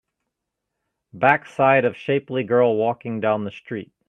Backside of shapely girl walking down the street